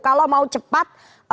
kalau mau cepat